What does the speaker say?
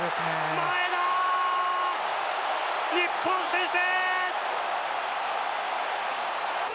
前田日本先制。